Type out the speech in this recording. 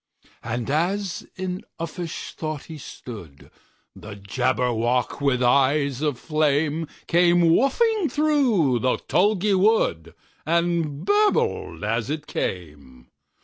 And as in uffish thought he stood, The Jabberwock, with eyes of flame, Came whiffling through the tulgey wood, And burbled as it came!